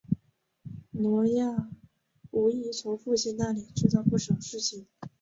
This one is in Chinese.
挪亚无疑从父亲那里知道不少事情。